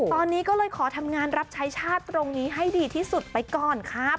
ตอนนี้ก็เลยขอทำงานรับใช้ชาติตรงนี้ให้ดีที่สุดไปก่อนครับ